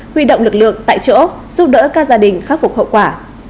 huy động lực lượng tại chỗ giúp đỡ các gia đình khắc phục hậu quả